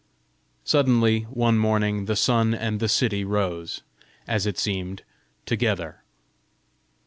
Suddenly, one morning, the sun and the city rose, as it seemed, together.